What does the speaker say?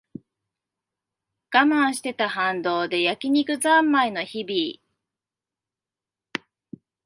我慢してた反動で焼き肉ざんまいの日々